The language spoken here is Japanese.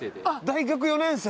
大学４年生？